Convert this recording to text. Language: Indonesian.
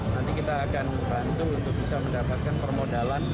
nanti kita akan bantu untuk bisa mendapatkan permodalan